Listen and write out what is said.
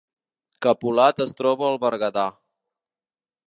Capolat es troba al Berguedà